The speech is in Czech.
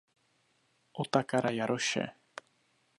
Otakara Jaroše.